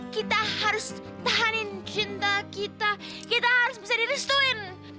kita harus tahanin cinta kita kita harus bisa direstuin